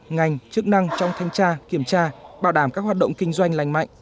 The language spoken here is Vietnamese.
ngành chức năng trong thanh tra kiểm tra bảo đảm các hoạt động kinh doanh lành mạnh